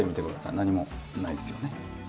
何もないですよね？